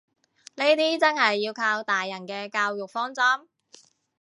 呢啲真係要靠大人嘅教育方針